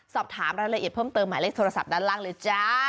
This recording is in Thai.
สอบถามรายละเอียดเพิ่มเติมหมายเลขโทรศัพท์ด้านล่างเลยจ้า